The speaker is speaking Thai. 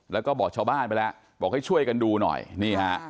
แล้วก็บอกชาวบ้านไปแล้วบอกให้ช่วยกันดูหน่อยนี่ฮะ